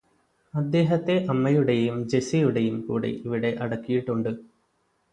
അദ്ദേഹത്തെ അമ്മയുടെയും ജെസ്സിയുടെയും കൂടെ ഇവിടെ അടക്കിയിട്ടുണ്ട്